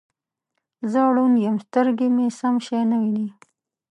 زه ړوند یم سترګې مې سم شی نه وینې